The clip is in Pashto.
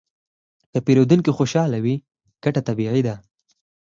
که پیرودونکی خوشحاله وي، ګټه طبیعي ده.